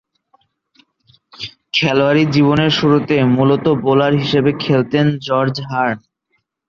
খেলোয়াড়ী জীবনের শুরুতে মূলতঃ বোলার হিসেবে খেলতেন জর্জ হার্ন।